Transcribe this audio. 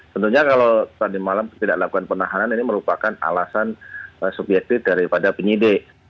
tentunya kalau tadi malam tidak lakukan penahanan ini merupakan alasan subjektif daripada penyidik